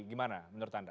gimana menurut anda